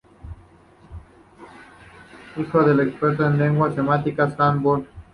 Hijo del experto en lenguas semíticas Hans Bauer.